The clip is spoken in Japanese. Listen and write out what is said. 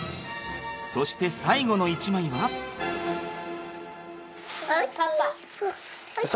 そして最後の一枚は。